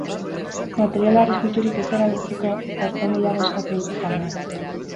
Material arriskutsurik ez erabiltzeko, ertzain gehiago eskatu ditu kalean.